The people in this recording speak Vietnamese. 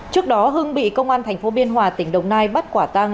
trước đó hưng bị công an thành phố biên hòa tỉnh đồng nai bắt quả tăng